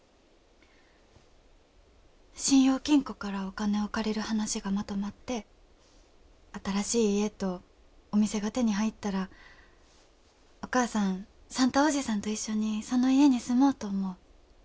信用金庫からお金を借りる話がまとまって新しい家とお店が手に入ったらお母さん算太伯父さんと一緒にその家に住もうと思う。